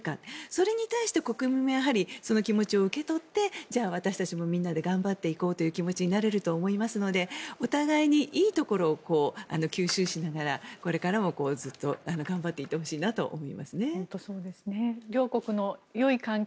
それに対して国民もその気持ちを受け取ってじゃあ、私たちもみんなで頑張っていこうという気持ちになれると思いますのでお互いにいいところを吸収しながらこれからもずっと頑張っていってほしいなと思いますね。